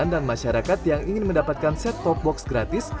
dan masyarakat yang ingin mendapatkan set top box gratis